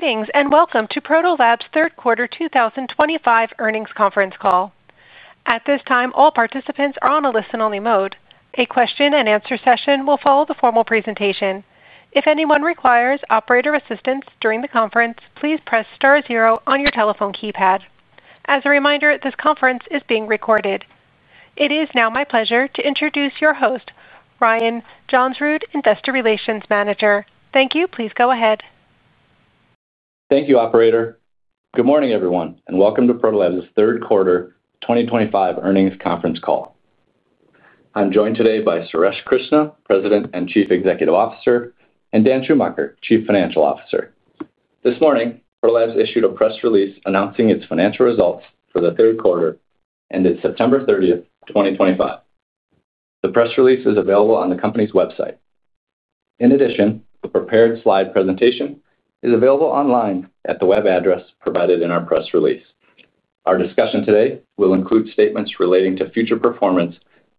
Greetings and welcome to Proto Labs' Third Quarter 2025 Earnings Conference Call. At this time, all participants are on a listen-only mode. A question-and-answer session will follow the formal presentation. If anyone requires operator assistance during the conference, please press star zero on your telephone keypad. As a reminder, this conference is being recorded. It is now my pleasure to introduce your host, Ryan Johnsrud, Investor Relations Manager. Thank you. Please go ahead. Thank you, Operator. Good morning, everyone, and welcome to Proto Labs' Third Quarter 2025 Earnings Conference Call. I'm joined today by Suresh Krishna, President and Chief Executive Officer, and Dan Schumacher, Chief Financial Officer. This morning, Proto Labs issued a press release announcing its financial results for the third quarter ended September 30th, 2025. The press release is available on the company's website. In addition, the prepared slide presentation is available online at the web address provided in our press release. Our discussion today will include statements relating to future performance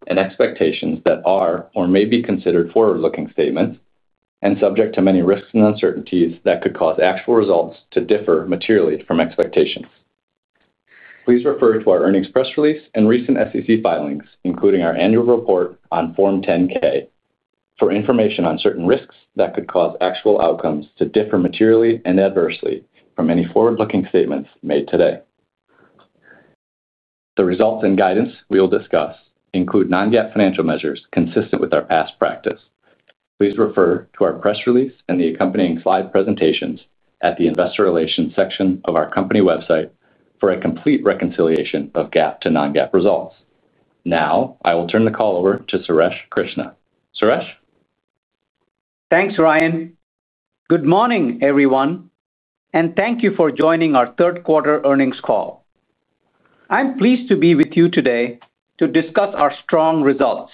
and expectations that are or may be considered forward-looking statements and subject to many risks and uncertainties that could cause actual results to differ materially from expectations. Please refer to our earnings press release and recent SEC filings, including our Annual Report on Form 10-K, for information on certain risks that could cause actual outcomes to differ materially and adversely from any forward-looking statements made today. The results and guidance we will discuss include non-GAAP financial measures consistent with our past practice. Please refer to our press release and the accompanying slide presentations at the Investor Relations section of our company website for a complete reconciliation of GAAP to non-GAAP results. Now, I will turn the call over to Suresh Krishna. Suresh. Thanks, Ryan. Good morning, everyone, and thank you for joining our third-quarter earnings call. I'm pleased to be with you today to discuss our strong results.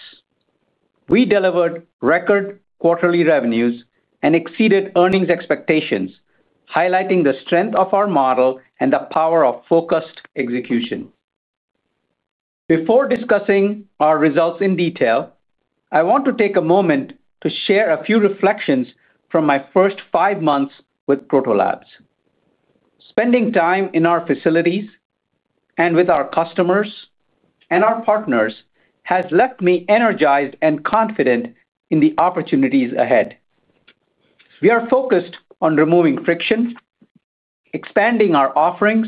We delivered record quarterly revenues and exceeded earnings expectations, highlighting the strength of our model and the power of focused execution. Before discussing our results in detail, I want to take a moment to share a few reflections from my first five months with Proto Labs. Spending time in our facilities and with our customers and our partners has left me energized and confident in the opportunities ahead. We are focused on removing friction, expanding our offerings,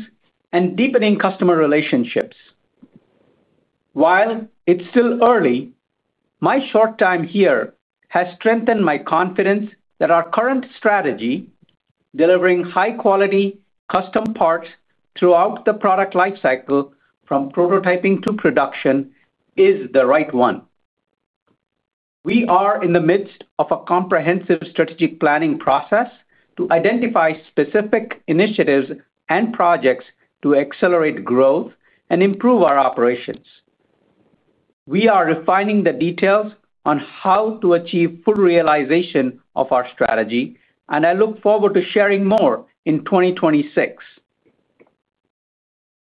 and deepening customer relationships. While it's still early, my short time here has strengthened my confidence that our current strategy, delivering high-quality custom parts throughout the product lifecycle, from prototyping to production, is the right one. We are in the midst of a comprehensive strategic planning process to identify specific initiatives and projects to accelerate growth and improve our operations. We are refining the details on how to achieve full realization of our strategy, and I look forward to sharing more in 2026.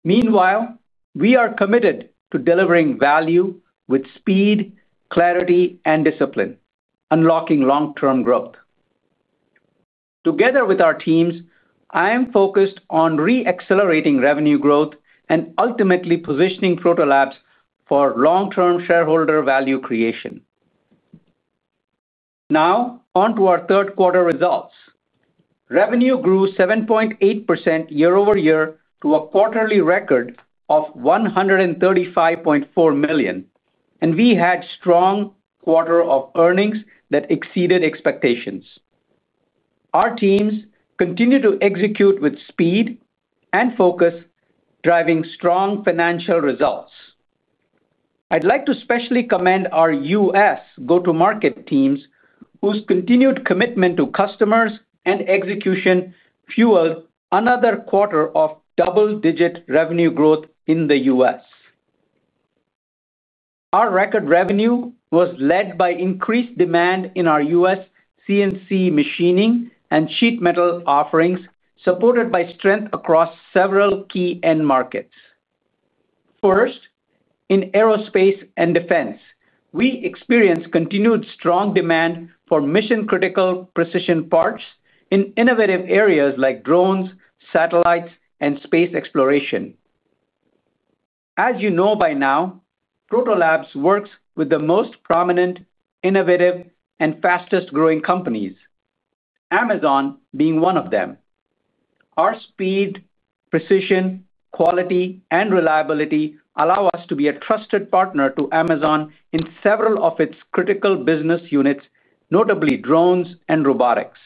Meanwhile, we are committed to delivering value with speed, clarity, and discipline, unlocking long-term growth. Together with our teams, I am focused on re-accelerating revenue growth and ultimately positioning Proto Labs for long-term shareholder value creation. Now, on to our third quarter results. Revenue grew 7.8% year-over-year to a quarterly record of $135.4 million, and we had a strong quarter of earnings that exceeded expectations. Our teams continue to execute with speed and focus, driving strong financial results. I'd like to specially commend our U.S. go-to-market teams, whose continued commitment to customers and execution fueled another quarter of double-digit revenue growth in the U.S. Our record revenue was led by increased demand in our U.S. CNC machining and sheet metal offerings, supported by strength across several key end markets. First, in aerospace and defense, we experienced continued strong demand for mission-critical precision parts in innovative areas like drones, satellites, and space exploration. As you know by now, Proto Labs works with the most prominent, innovative, and fastest-growing companies, Amazon being one of them. Our speed, precision, quality, and reliability allow us to be a trusted partner to Amazon in several of its critical business units, notably drones and robotics.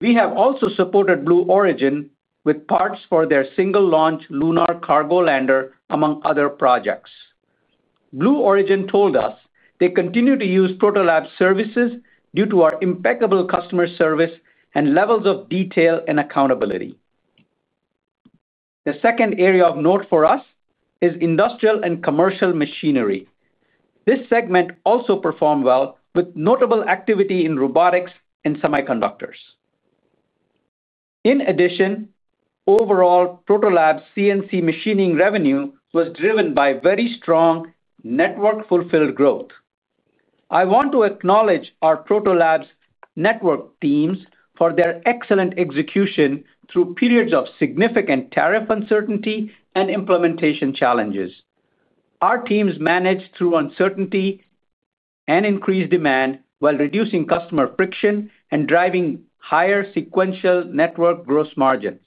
We have also supported Blue Origin with parts for their single-launch lunar cargo lander, among other projects. Blue Origin told us they continue to use Proto Labs' services due to our impeccable customer service and levels of detail and accountability. The second area of note for us is industrial and commercial machinery. This segment also performed well, with notable activity in robotics and semiconductors. In addition, overall, Proto Labs' CNC machining revenue was driven by very strong network-fulfilled growth. I want to acknowledge our Proto Labs Network teams for their excellent execution through periods of significant tariff uncertainty and implementation challenges. Our teams managed through uncertainty and increased demand while reducing customer friction and driving higher sequential network gross margins.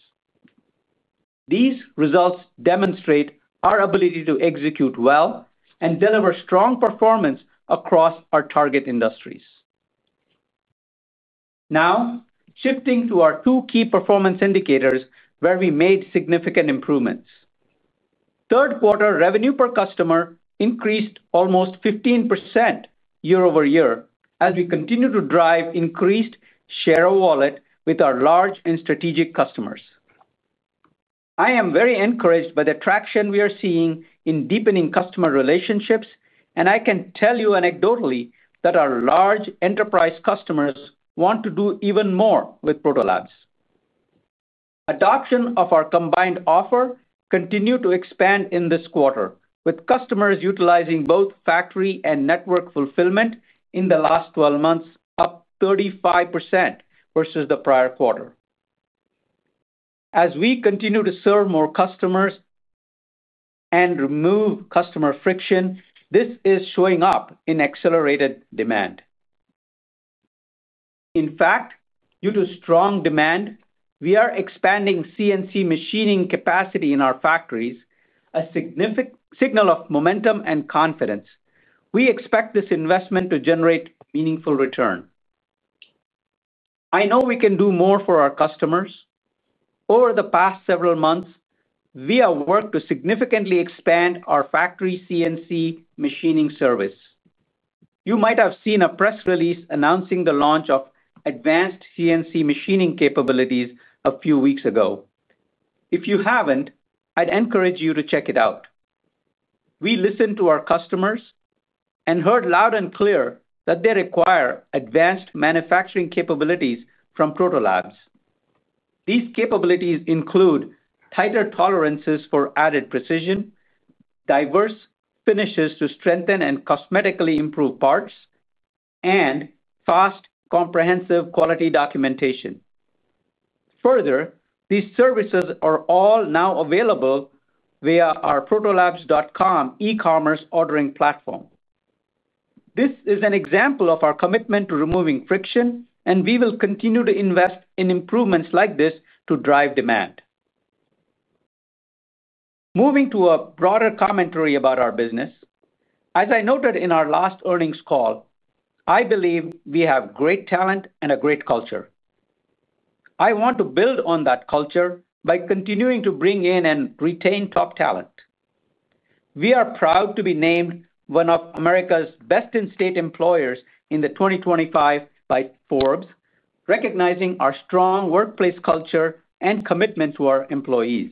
These results demonstrate our ability to execute well and deliver strong performance across our target industries. Now, shifting to our two key performance indicators where we made significant improvements. Third quarter revenue per customer increased almost 15% year-over-year as we continue to drive increased share of wallet with our large and strategic customers. I am very encouraged by the traction we are seeing in deepening customer relationships, and I can tell you anecdotally that our large enterprise customers want to do even more with Proto Labs. Adoption of our combined offer continued to expand in this quarter, with customers utilizing both factory and network fulfillment in the last 12 months, up 35% versus the prior quarter. As we continue to serve more customers and remove customer friction, this is showing up in accelerated demand. In fact, due to strong demand, we are expanding CNC machining capacity in our factories, a significant signal of momentum and confidence. We expect this investment to generate meaningful return. I know we can do more for our customers. Over the past several months, we have worked to significantly expand our factory CNC machining service. You might have seen a press release announcing the launch of advanced CNC machining capabilities a few weeks ago. If you haven't, I'd encourage you to check it out. We listened to our customers and heard loud and clear that they require advanced manufacturing capabilities from Proto Labs. These capabilities include tighter tolerances for added precision, diverse finishes to strengthen and cosmetically improve parts, and fast, comprehensive quality documentation. Further, these services are all now available via our protolabs.com e-commerce ordering platform. This is an example of our commitment to removing friction, and we will continue to invest in improvements like this to drive demand. Moving to a broader commentary about our business, as I noted in our last earnings call, I believe we have great talent and a great culture. I want to build on that culture by continuing to bring in and retain top talent. We are proud to be named one of America's Best-in-State Employers in 2025 by Forbes, recognizing our strong workplace culture and commitment to our employees.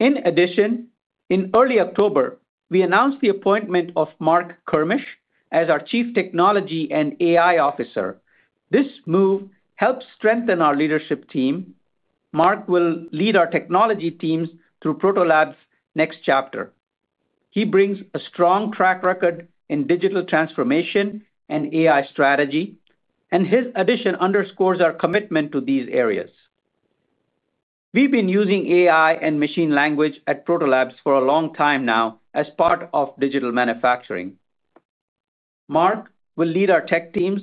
In addition, in early October, we announced the appointment of Mark Kermisch as our Chief Technology and AI Officer. This move helps strengthen our leadership team. Mark will lead our technology teams through Proto Labs' next chapter. He brings a strong track record in digital transformation and AI strategy, and his addition underscores our commitment to these areas. We've been using AI and machine language at Proto Labs for a long time now as part of digital manufacturing. Mark will lead our tech teams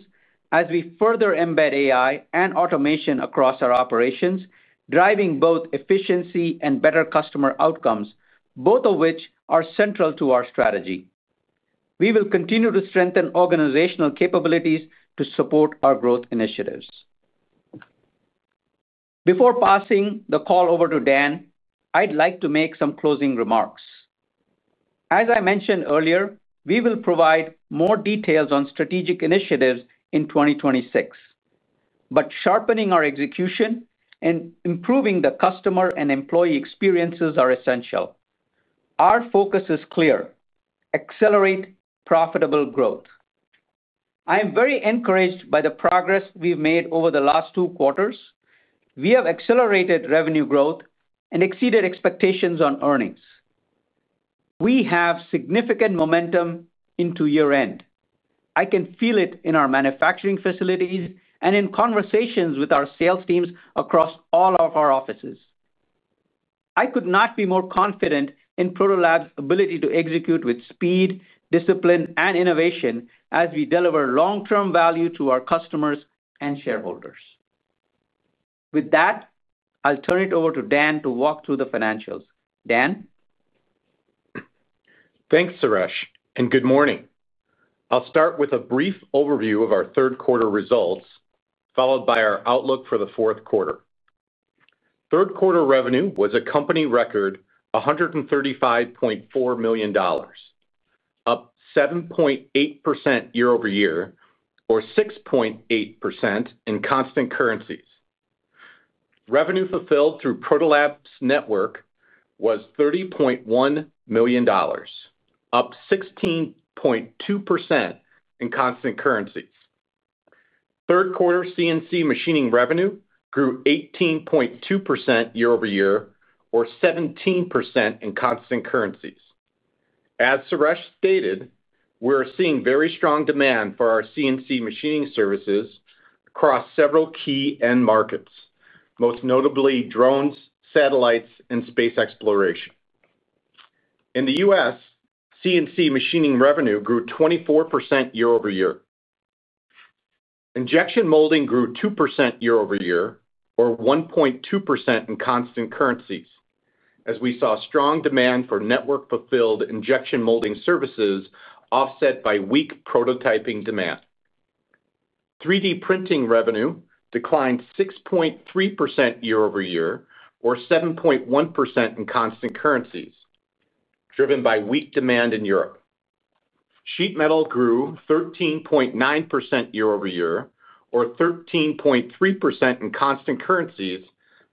as we further embed AI and automation across our operations, driving both efficiency and better customer outcomes, both of which are central to our strategy. We will continue to strengthen organizational capabilities to support our growth initiatives. Before passing the call over to Dan, I'd like to make some closing remarks. As I mentioned earlier, we will provide more details on strategic initiatives in 2026. But sharpening our execution and improving the customer and employee experiences are essential. Our focus is clear: accelerate profitable growth. I am very encouraged by the progress we've made over the last two quarters. We have accelerated revenue growth and exceeded expectations on earnings. We have significant momentum into year-end. I can feel it in our manufacturing facilities and in conversations with our sales teams across all of our offices. I could not be more confident in Proto Labs' ability to execute with speed, discipline, and innovation as we deliver long-term value to our customers and shareholders. With that, I'll turn it over to Dan to walk through the financials. Dan. Thanks, Suresh, and good morning. I'll start with a brief overview of our third-quarter results, followed by our outlook for the fourth quarter. Third quarter revenue was a company record, $135.4 million, up 7.8% year-over-year, or 6.8% in constant currencies. Revenue fulfilled through Proto Labs' network was $30.1 million, up 16.2% in constant currencies. Third quarter CNC machining revenue grew 18.2% year-over-year, or 17% in constant currencies. As Suresh stated, we're seeing very strong demand for our CNC machining services across several key end markets, most notably drones, satellites, and space exploration. In the U.S., CNC machining revenue grew 24% year-over-year. Injection molding grew 2% year-over-year, or 1.2% in constant currencies, as we saw strong demand for network-fulfilled injection molding services offset by weak prototyping demand. 3D printing revenue declined 6.3% year-over-year, or 7.1% in constant currencies, driven by weak demand in Europe. Sheet metal grew 13.9% year-over-year, or 13.3% in constant currencies,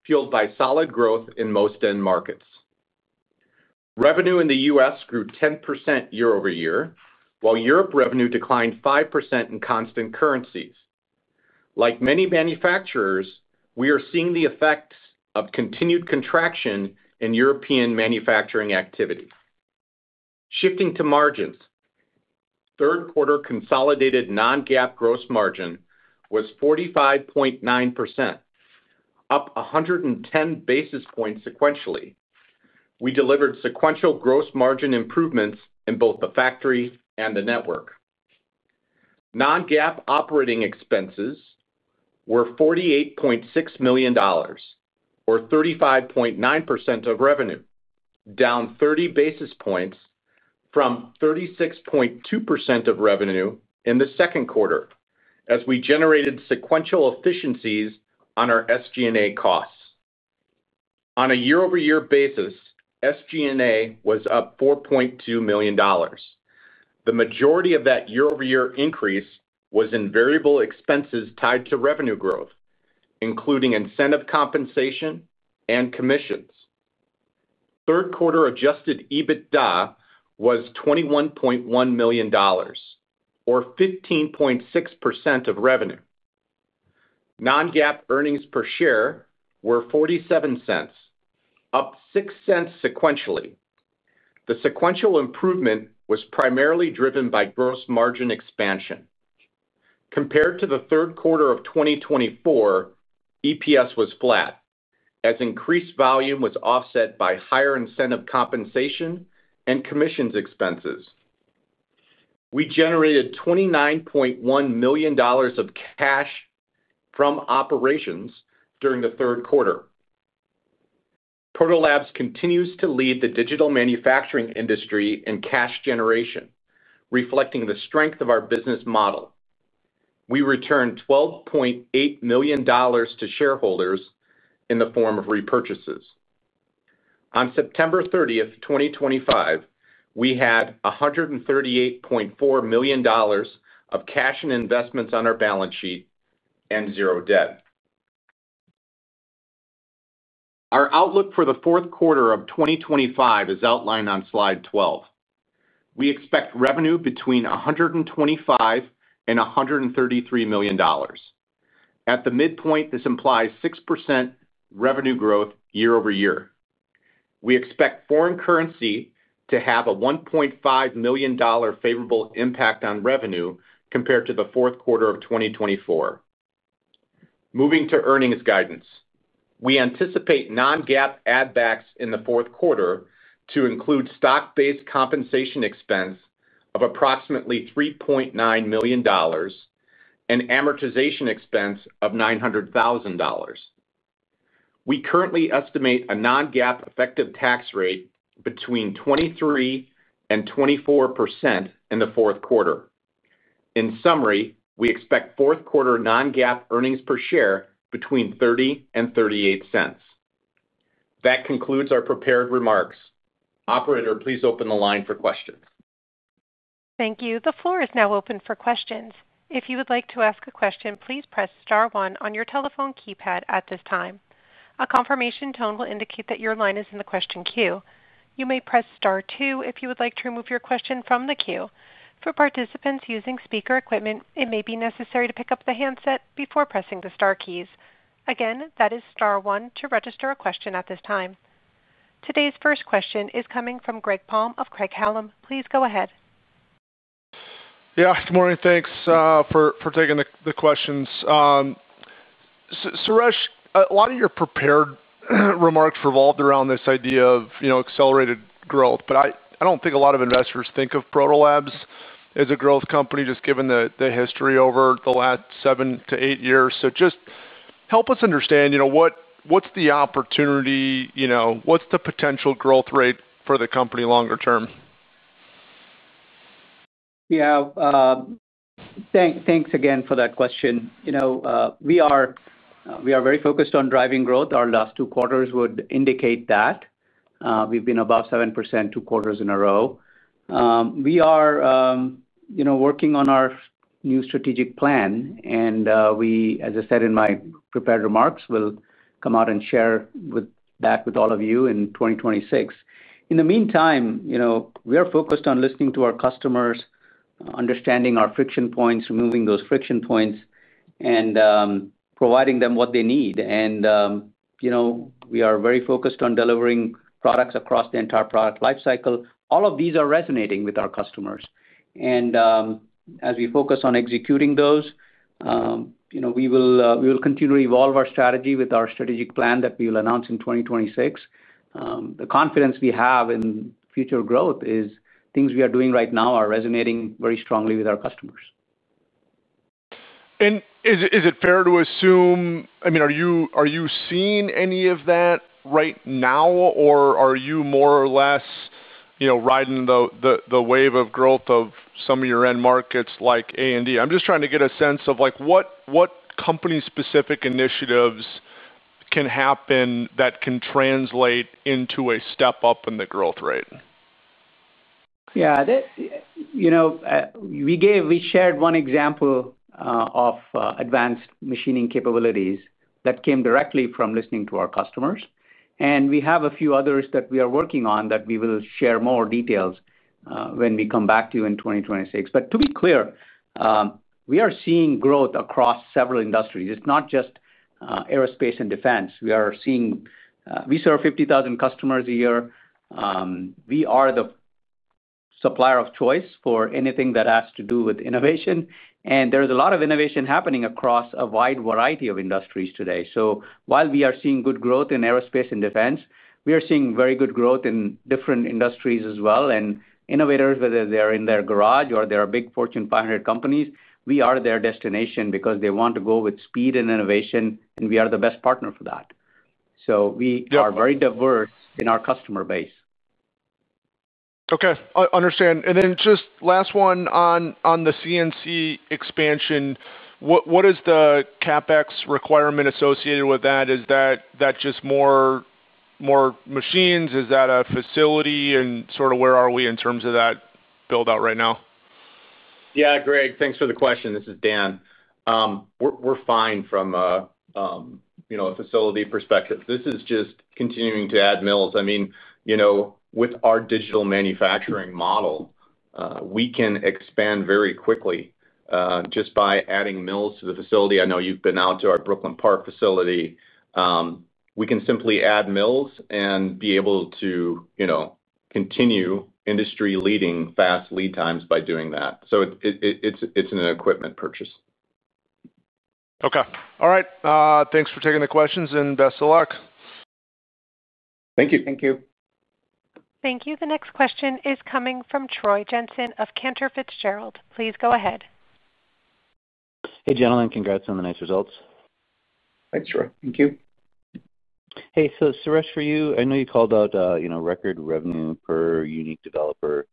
fueled by solid growth in most end markets. Revenue in the U.S. grew 10% year-over-year, while Europe revenue declined 5% in constant currencies. Like many manufacturers, we are seeing the effects of continued contraction in European manufacturing activity. Shifting to margins, third quarter consolidated non-GAAP gross margin was 45.9%, up 110 basis points sequentially. We delivered sequential gross margin improvements in both the factory and the network. Non-GAAP operating expenses were $48.6 million, or 35.9% of revenue, down 30 basis points from 36.2% of revenue in the second quarter, as we generated sequential efficiencies on our SG&A costs. On a year-over-year basis, SG&A was up $4.2 million. The majority of that year-over-year increase was in variable expenses tied to revenue growth, including incentive compensation and commissions. Third quarter adjusted EBITDA was $21.1 million, or 15.6% of revenue. Non-GAAP earnings per share were $0.47, up $0.06 sequentially. The sequential improvement was primarily driven by gross margin expansion. Compared to the third quarter of 2024, EPS was flat, as increased volume was offset by higher incentive compensation and commissions expenses. We generated $29.1 million of cash from operations during the third quarter. Proto Labs continues to lead the digital manufacturing industry in cash generation, reflecting the strength of our business model. We returned $12.8 million to shareholders in the form of repurchases. On September 30th, 2025, we had $138.4 million of cash and investments on our balance sheet and zero debt. Our outlook for the fourth quarter of 2025 is outlined on slide 12. We expect revenue between $125 million and $133 million. At the midpoint, this implies 6% revenue growth year-over-year. We expect foreign currency to have a $1.5 million favorable impact on revenue compared to the fourth quarter of 2024. Moving to earnings guidance, we anticipate non-GAAP add-backs in the fourth quarter to include stock-based compensation expense of approximately $3.9 million and amortization expense of $900,000. We currently estimate a non-GAAP effective tax rate between 23% and 24% in the fourth quarter. In summary, we expect fourth quarter non-GAAP earnings per share between $0.30 and $0.38. That concludes our prepared remarks. Operator, please open the line for questions. Thank you. The floor is now open for questions. If you would like to ask a question, please press star one on your telephone keypad at this time. A confirmation tone will indicate that your line is in the question queue. You may press star two if you would like to remove your question from the queue. For participants using speaker equipment, it may be necessary to pick up the handset before pressing the star keys. Again, that is star one to register a question at this time. Today's first question is coming from Greg Palm of Craig Hallum. Please go ahead. Good morning. Thanks for taking the questions. Suresh, a lot of your prepared remarks revolved around this idea of accelerated growth, but I don't think a lot of investors think of Proto Labs as a growth company, just given the history over the last 7 years. Help us understand. What's the opportunity? What's the potential growth rate for the company longer term? Yeah, thanks again for that question. We are very focused on driving growth. Our last two quarters would indicate that. We've been above 7% two quarters in a row. We are working on our new strategic plan, and, as I said in my prepared remarks, will come out and share back with all of you in 2026. In the meantime, we are focused on listening to our customers, understanding our friction points, removing those friction points, and providing them what they need. And we are very focused on delivering products across the entire product lifecycle. All of these are resonating with our customers. And as we focus on executing those, we will continue to evolve our strategy with our strategic plan that we will announce in 2026. The confidence we have in future growth is things we are doing right now are resonating very strongly with our customers. Is it fair to assume, are you seeing any of that right now, or are you more or less riding the wave of growth of some of your end markets like A&D? I'm just trying to get a sense of what company-specific initiatives can happen that can translate into a step up in the growth rate. Yeah. We shared one example of advanced machining capabilities that came directly from listening to our customers. We have a few others that we are working on that we will share more details when we come back to you in 2026. To be clear, we are seeing growth across several industries. It's not just aerospace and defense. We serve 50,000 customers a year. We are the supplier of choice for anything that has to do with innovation, and there is a lot of innovation happening across a wide variety of industries today. So while we are seeing good growth in aerospace and defense, we are seeing very good growth in different industries as well. Innovators, whether they're in their garage or they're big Fortune 500 companies, we are their destination because they want to go with speed and innovation, and we are the best partner for that. So we are very diverse in our customer base. Okay. Understand. Just last one on the CNC expansion. What is the CapEx requirement associated with that? Is that just more machines? Is that a facility? Where are we in terms of that build-out right now? Yeah, Greg, thanks for the question. This is Dan. We're fine from a facility perspective. This is just continuing to add mills. You know with our digital manufacturing model, we can expand very quickly just by adding mills to the facility. I know you've been out to our Brooklyn Park facility. We can simply add mills and be able to continue industry-leading fast lead times by doing that. So it's an equipment purchase. Okay. All right. Thanks for taking the questions, and best of luck. Thank you. Thank you. Thank you. The next question is coming from Troy Jensen of Cantor Fitzgerald. Please go ahead. Hey, gentlemen. Congrats on the nice results. Thanks, Troy. Thank you. Hey, Suresh, for you, I know you called out record revenue per unique developer,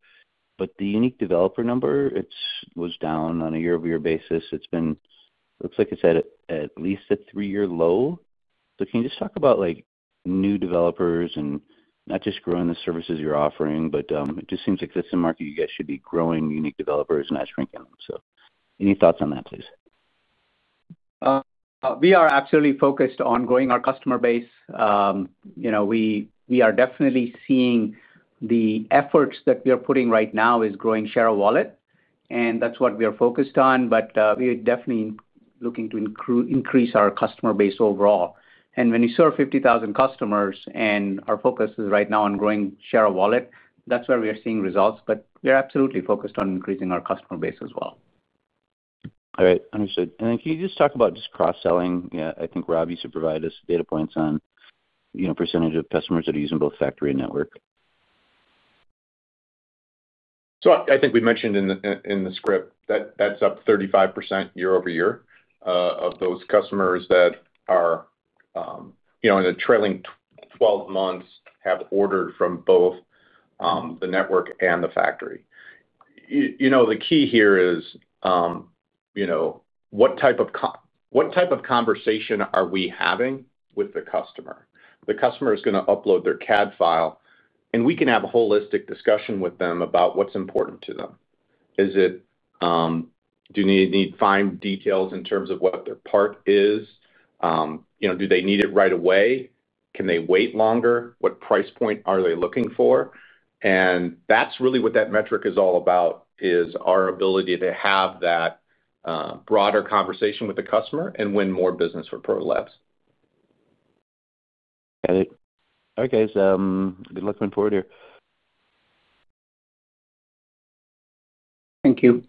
but the unique developer number was down on a year-over-year basis. It looks like it's at least a three-year low. Can you just talk about new developers and not just growing the services you're offering? It just seems like this market, you guys should be growing unique developers and not shrinking them. Any thoughts on that, please? We are absolutely focused on growing our customer base. We are definitely seeing the efforts that we are putting right now is growing share of wallet, and that's what we are focused on. But we are definitely looking to increase our customer base overall. When you serve 50,000 customers and our focus is right now on growing share of wallet, that's where we are seeing results. We are absolutely focused on increasing our customer base as well. All right. Understood. Can you just talk about cross-selling? I think, [guess-Rob], you should provide us data points on % of customers that are using both factory and network. So I think we mentioned in the script that that's up 35% year-over-year of those customers that are in the trailing 12 months have ordered from both the network and the factory. The key here is you know what type of conversation are we having with the customer? The customer is going to upload their CAD file, and we can have a holistic discussion with them about what's important to them. Do they need fine details in terms of what their part is? Do they need it right away? Can they wait longer? What price point are they looking for? And that's really what that metric is all about, is our ability to have that broader conversation with the customer and win more business for Proto Labs. Got it. Okay, good luck moving forward here. Thank you.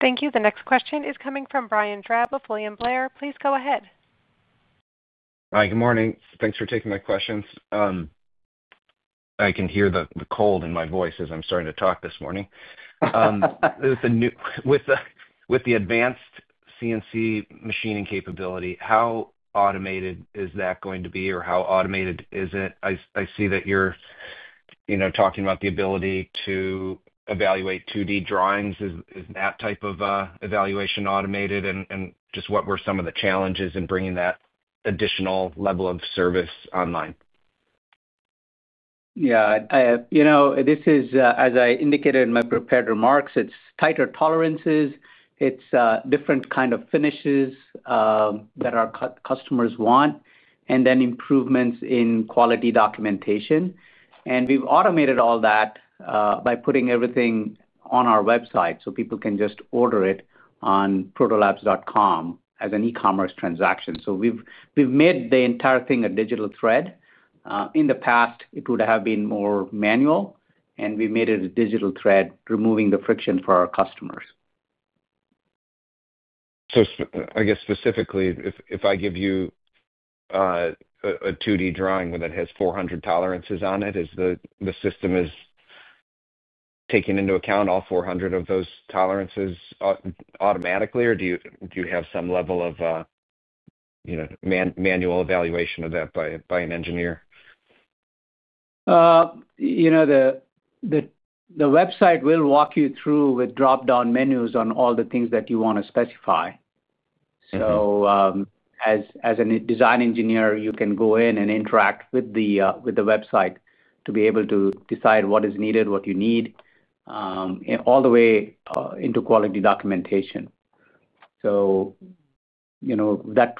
Thank you. The next question is coming from Brian Drab of William Blair. Please go ahead. Hi. Good morning. Thanks for taking my questions. I can hear the cold in my voice as I'm starting to talk this morning. With the advanced CNC machining capability, how automated is that going to be, or how automated is it? I see that you're talking about the ability to evaluate 2D drawings. Is that type of evaluation automated? Just what were some of the challenges in bringing that additional level of service online? This is, as I indicated in my prepared remarks, it's tighter tolerances. It's different kinds of finishes that our customers want, and then improvements in quality documentation. We've automated all that by putting everything on our website so people can just order it on protolabs.com as an e-commerce transaction. We've made the entire thing a digital thread. In the past, it would have been more manual, and we made it a digital thread, removing the friction for our customers. If I give you a 2D drawing that has 400 tolerances on it, is the system taking into account all 400 of those tolerances automatically, or do you have some level of manual evaluation of that by an engineer? The website will walk you through with drop-down menus on all the things that you want to specify. As a design engineer, you can go in and interact with the website to be able to decide what is needed, what you need, all the way into quality documentation. That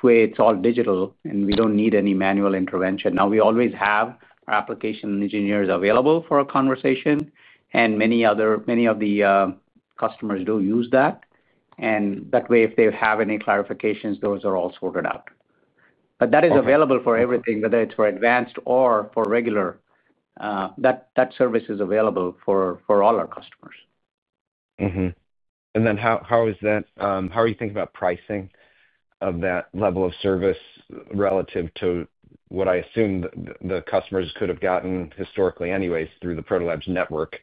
way, it's all digital, and we don't need any manual intervention. We always have our application engineers available for a conversation, and many of the customers do use that. That way, if they have any clarifications, those are all sorted out. That is available for everything, whether it's for advanced or for regular. That service is available for all our customers. How are you thinking about pricing of that level of service relative to what I assume the customers could have gotten historically anyways through the Proto Labs Network?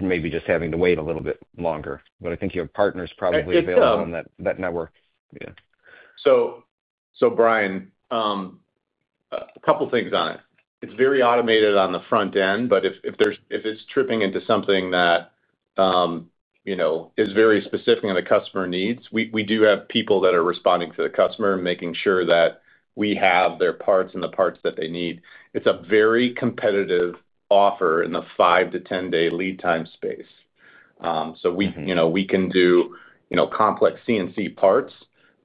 Maybe just having to wait a little bit longer. I think you have partners probably available on that network. Yeah. Brian, a couple of things on it. It's very automated on the front end, but if it's tripping into something that is very specific and the customer needs, we do have people that are responding to the customer and making sure that we have their parts and the parts that they need. It's a very competitive offer in the 5 to 10-day lead time space. We can do complex CNC parts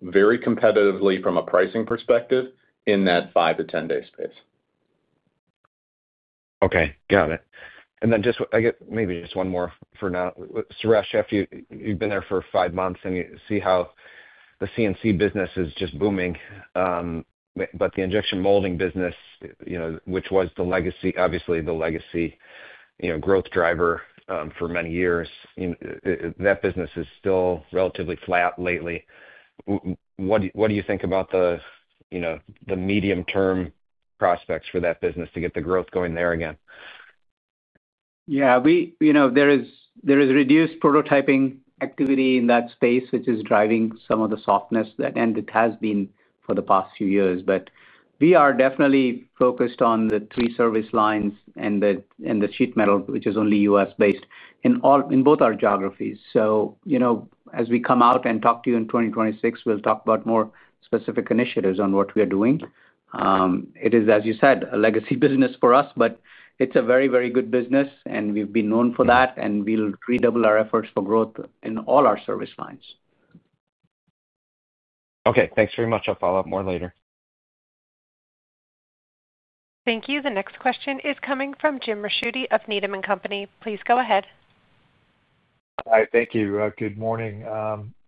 very competitively from a pricing perspective in that 5 to 10-day space. Okay. Got it. Maybe just one more for now. Suresh, you've been there for five months, and you see how the CNC machining business is just booming. The injection molding business, which was obviously the legacy growth driver for many years, is still relatively flat lately. What do you think about the medium-term prospects for that business to get the growth going there again? Yeah. There is reduced prototyping activity in that space, which is driving some of the softness that it has been for the past few years. We are definitely focused on the three service lines and the sheet metal, which is only U.S.-based in both our geographies. As we come out and talk to you in 2026, we'll talk about more specific initiatives on what we are doing. It is, as you said, a legacy business for us, but it's a very, very good business, and we've been known for that, and we'll redouble our efforts for growth in all our service lines. Okay, thanks very much. I'll follow up more later. Thank you. The next question is coming from James Ricchiuti of Needham & Company. Please go ahead. Hi. Thank you. Good morning.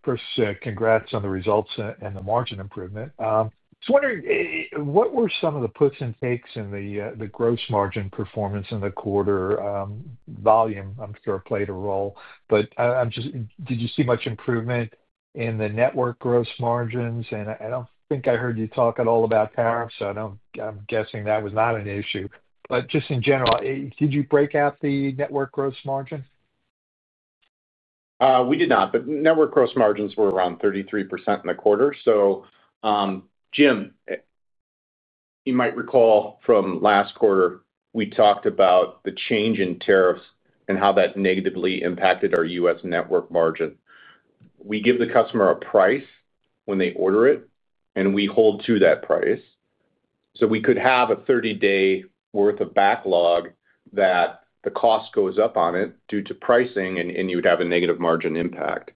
First, congrats on the results and the margin improvement. I was wondering, what were some of the puts and takes in the gross margin performance in the quarter? Volume, I'm sure, played a role. Did you see much improvement in the network gross margins? I don't think I heard you talk at all about tariffs, so I'm guessing that was not an issue. In general, did you break out the network gross margin? We did not. Network gross margins were around 33% in the quarter. So, Jim, you might recall from last quarter, we talked about the change in tariffs and how that negatively impacted our U.S. network margin. We give the customer a price when they order it, and we hold to that price. We could have a 30-day worth of backlog that the cost goes up on it due to pricing, and you would have a negative margin impact.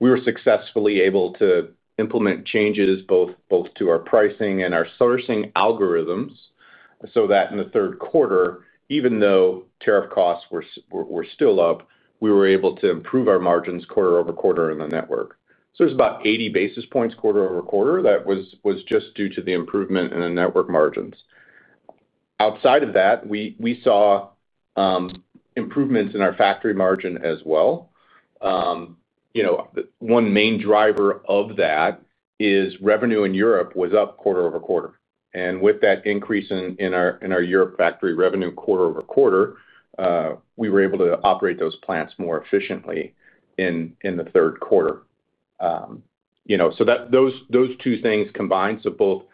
We were successfully able to implement changes both to our pricing and our sourcing algorithms so that in the third quarter, even though tariff costs were still up, we were able to improve our margins quarter-over-quarter in the network. There is about 80 basis points quarter-over-quarter that was just due to the improvement in the network margins. Outside of that, we saw improvements in our factory margin as well. One main driver of that is revenue in Europe was up quarter-over-quarter. With that increase in our Europe factory revenue quarter-over-quarter, we were able to operate those plants more efficiently in the third quarter. Those two things combined, both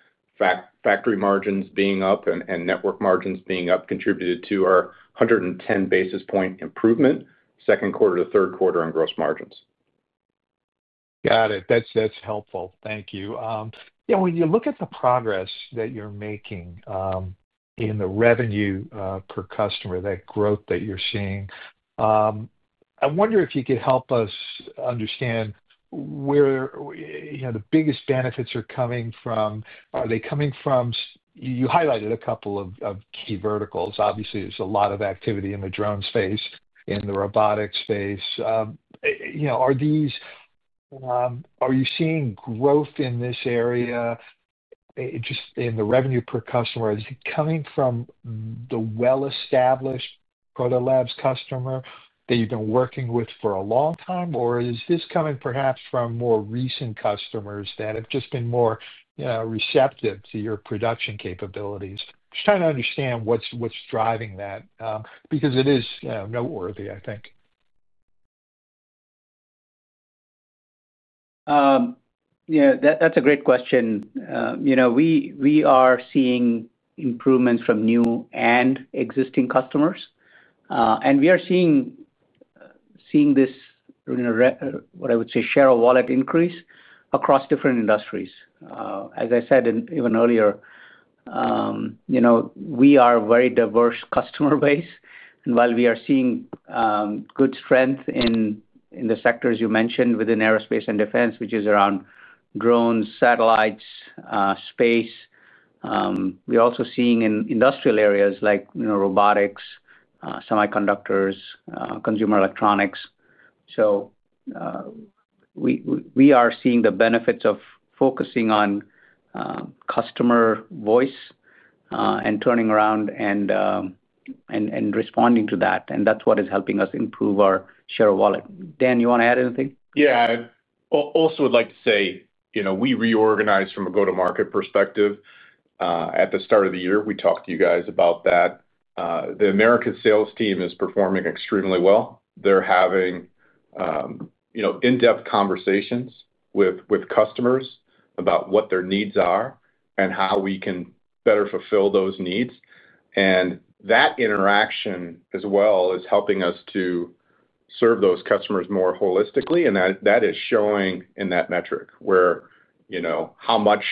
factory margins being up and network margins being up, contributed to our 110 basis point improvement second quarter to third quarter in gross margins. Got it. That's helpful. Thank you. When you look at the progress that you're making in the revenue per customer, that growth that you're seeing, I wonder if you could help us understand where the biggest benefits are coming from. Are they coming from—you highlighted a couple of key verticals. Obviously, there's a lot of activity in the drone space, in the robotics space. Are you seeing growth in this area just in the revenue per customer? Is it coming from the well-established Proto Labs customer that you've been working with for a long time, or is this coming perhaps from more recent customers that have just been more receptive to your production capabilities? Just trying to understand what's driving that because it is noteworthy, I think. Yeah. That's a great question. We are seeing improvements from new and existing customers. We are seeing what I would say is share of wallet increase across different industries. As I said even earlier, we are a very diverse customer base. While we are seeing good strength in the sectors you mentioned within aerospace and defense, which is around drones, satellites, space, we are also seeing it in industrial areas like robotics, semiconductors, consumer electronics. So we are seeing the benefits of focusing on customer voice and turning around and responding to that. That's what is helping us improve our share of wallet. Dan, you want to add anything? Yeah. I also would like to say we reorganized from a go-to-market perspective. At the start of the year, we talked to you guys about that. The American sales team is performing extremely well. They're having in-depth conversations with customers about what their needs are and how we can better fulfill those needs. That interaction as well is helping us to serve those customers more holistically. That is showing in that metric where how much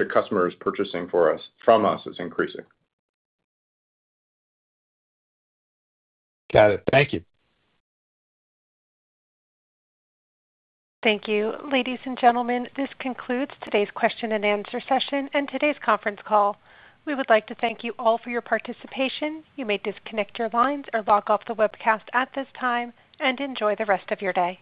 a customer is purchasing from us is increasing. Got it. Thank you. Thank you. Ladies and gentlemen, this concludes today's question-and-answer session and today's conference call. We would like to thank you all for your participation. You may disconnect your lines or log off the webcast at this time and enjoy the rest of your day.